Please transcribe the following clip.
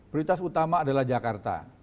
prioritas utama adalah jakarta